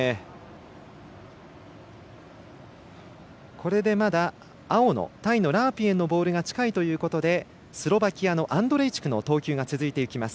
これで青のタイのラープイェンのボールが近いということでスロバキアのアンドレイチクの投球が続いていきます。